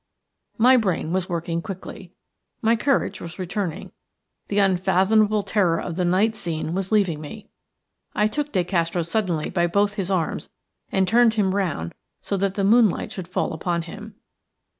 My brain was working quickly, my courage was returning. The unfathomable terror of the night scene was leaving me. I took De Castro suddenly by both his arms and turned him round so that the moonlight should fall upon him.